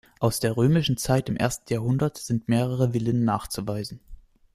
Aus der römischen Zeit im ersten Jahrhundert sind mehrere Villen nachzuweisen.